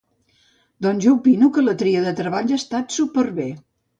Doncs jo opino que la tria de treballs està súper bé.